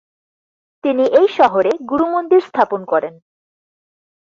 তিনি এই শহরে গুরু মন্দির স্থাপন করেন।